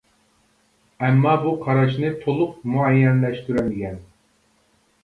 ئەمما بۇ قاراشنى تولۇق مۇئەييەنلەشتۈرەلمىگەن .